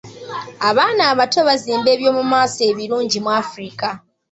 Abaana abato bazimba eby'omu maaso ebirungi mu Afirika